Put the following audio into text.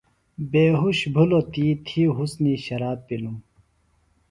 بیہوۡش بِھلوۡ تی تھی حُسُنیۡ شراب پِلوۡم۔